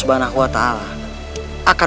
dan menanggresul ihsan